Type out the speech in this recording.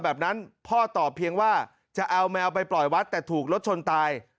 แบบนั้นพ่อตอบเพียงว่าจะเอาแมวไปปล่อยวัดแต่ถูกรถชนตาย